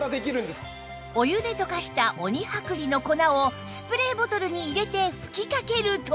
お湯で溶かした鬼剥離の粉をスプレーボトルに入れて吹きかけると